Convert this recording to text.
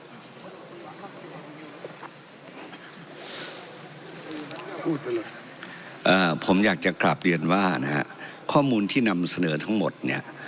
ผมอยากจะกลับเรียนว่านะฮะข้อมูลที่นำเสนอทั้งหมดเนี่ย